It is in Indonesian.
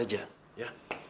nanti bapak lupa